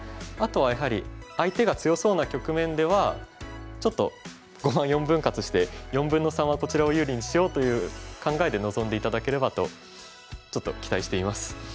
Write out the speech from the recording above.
あとはやはり相手が強そうな局面ではちょっと碁盤４分割して４分の３はこちらを有利にしようという考えで臨んで頂ければとちょっと期待しています。